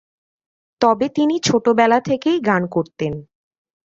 তবে তিনি ছোটবেলা থেকেই গান করতেন।